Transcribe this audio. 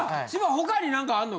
他に何かあんの？